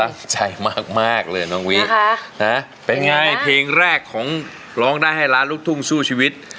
ใจมากเลยน้องวิเป็นไงเพลงแรกของร้องได้ให้ล้านลูกทุ่งสู้ชีวิต